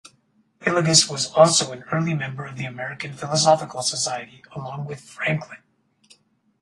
Hillegas was also an early member of the American Philosophical Society, along with Franklin.